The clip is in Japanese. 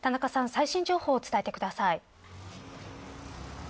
最新情報を伝えてください。